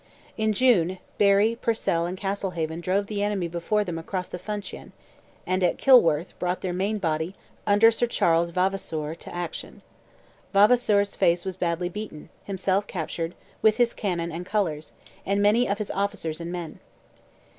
In June, Barry, Purcell, and Castlehaven drove the enemy before them across the Funcheon, and at Kilworth brought their main body, under Sir Charles Vavasour, to action. Vavasour's force was badly beaten, himself captured, with his cannon and colours, and many of his officers and men.